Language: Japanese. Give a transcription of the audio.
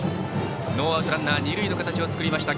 ノーアウト、ランナー二塁の形を作りました。